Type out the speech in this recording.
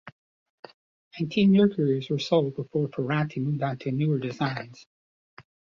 Nineteen Mercuries were sold before Ferranti moved on to newer designs.